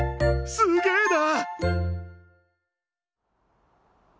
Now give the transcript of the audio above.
すげえな！